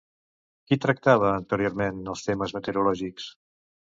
Qui tractava anteriorment els temes meteorològics?